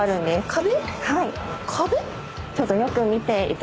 壁。